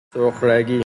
سرخرگی